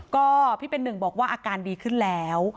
ก็พี่เป็นหนึ่งบอกว่าอาการดีขึ้นแล้ว